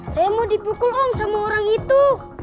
saya mau dipukul om sama orang itu